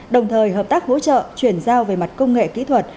đồng thời hợp tác hỗ trợ chuyển giao về mặt công nghệ kỹ thuật